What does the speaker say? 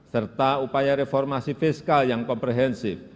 serta upaya reformasi fiskal yang komprehensif